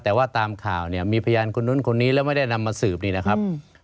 แต่ว่าตามข่าวเนี่ยมีพยานคนนู้นคนนี้แล้วไม่ได้นำมาสืบนี่นะครับ